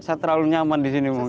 saya terlalu nyaman di sini bu